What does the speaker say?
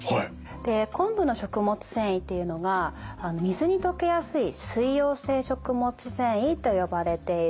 で昆布の食物繊維っていうのが水に溶けやすい水溶性食物繊維と呼ばれているものなんですね。